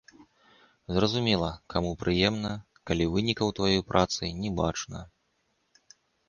Зразумела, каму прыемна, калі вынікаў тваёй працы не бачна.